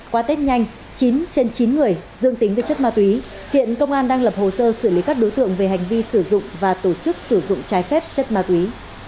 qua tết nhanh chín trên chín người dương tính với chất ma túy hiện công an đang lập hồ sơ xử lý các đối tượng về hành vi sử dụng và tổ chức sử dụng trái phép chất ma túy